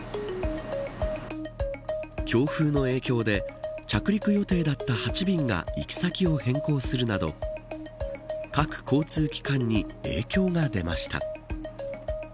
強風の影響で着陸予定だった８便が行き先を変更するなど各交通機関に影響が出ました。